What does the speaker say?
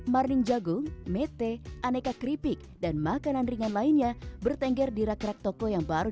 marning jagung mete aneka keripik dan makanan ringan lainnya bertengger di rak rak toko yang baru